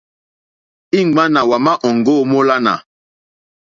Ìŋwánà wà má òŋɡô múlánà.